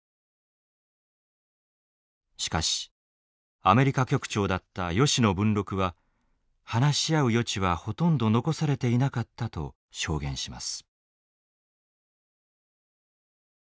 しかしアメリカ局長だった吉野文六は話し合う余地はほとんど残されていなかったと証言します。